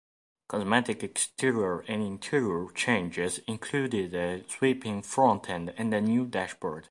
Cosmetic exterior and interior changes included a sweeping front end and a new dashboard.